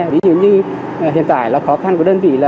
ví dụ như hiện tại là khó khăn của đơn vị là